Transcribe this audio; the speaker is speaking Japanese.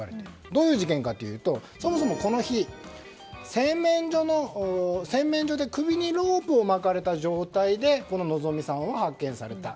どういう事件かというと、この日洗面所で首にロープを巻かれた状態でのぞみさんは発見された。